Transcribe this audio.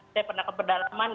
saya pernah keberdaman